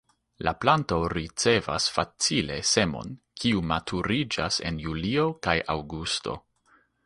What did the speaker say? La planto ricevas facile semon, kiu maturiĝas en julio kaj aŭgusto.